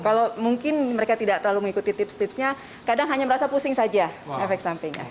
kalau mungkin mereka tidak terlalu mengikuti tips tipsnya kadang hanya merasa pusing saja efek sampingnya